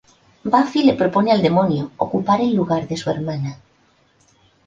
Buffy le propone al demonio ocupar el lugar de su hermana.